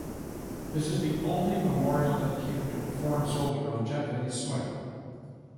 This is the only memorial dedicated to a foreign soldier on Japanese soil.